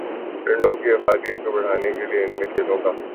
ڈنڈوں کی افادیت کو بڑھانے کیلئے ان میں کیلوں کا استعمال بھی رائج کیا گیا۔